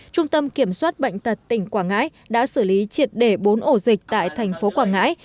trung tâm kiểm soát bệnh tật tỉnh quảng ngãi đã xử lý triệt để bốn ổ dịch tại thành phố quảng ngãi